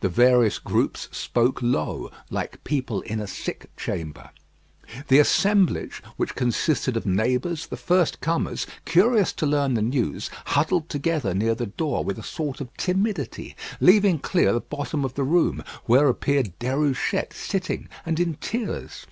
The various groups spoke low, like people in a sick chamber. The assemblage, which consisted of neighbours, the first comers, curious to learn the news, huddled together near the door with a sort of timidity, leaving clear the bottom of the room, where appeared Déruchette sitting and in tears.